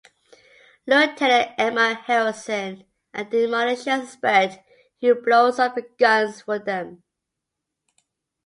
Lieutenant Edmund Harrison, a demolitions expert who blows up the guns for them.